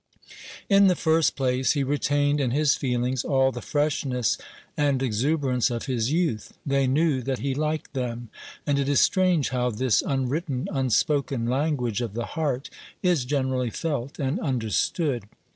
In the first place, he retained in his feelings all the freshness and exuberance of his youth; they knew that he liked them; and it is strange how this unwritten, unspoken language of the heart is generally felt and understood.